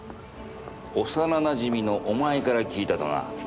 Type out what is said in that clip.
幼なじみのお前から聞いたとな。